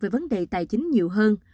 về vấn đề tài chính nhiều hơn